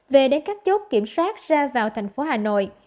về đến các chốt kiểm soát ra vào thành phố hà nội